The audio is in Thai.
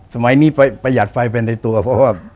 สมัยนี้ประหยัดไฟเป็นในตัวเพราะว่า